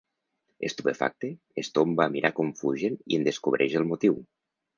Estupefacte, es tomba a mirar com fugen i en descobreix el motiu.